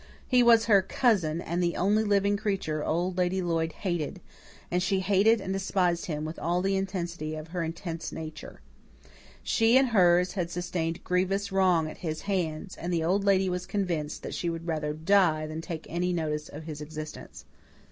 He was her cousin and the only living creature Old Lady Lloyd hated, and she hated and despised him with all the intensity of her intense nature. She and hers had sustained grievous wrong at his hands, and the Old Lady was convinced that she would rather die than take any notice of his existence.